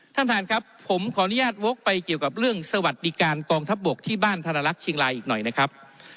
ท่านประธานครับผมขออนุญาตวกไปเกี่ยวกับเรื่องสวัสดิการกองทัพบกที่บ้านธนลักษณ์เชียงรายอีกหน่อยนะครับ